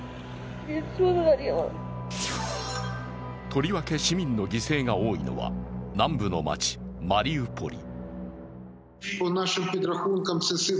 とりわけ市民の犠牲が多いのは南部の街マリウポリ。